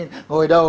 ngồi ở đâu